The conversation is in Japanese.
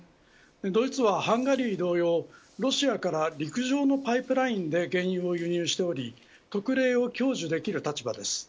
ドイツはハンガリー同様ロシアから陸上のパイプラインで原油を輸入しており特例を享受できる立場です。